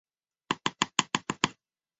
纳业湾遗址的历史年代为唐汪式。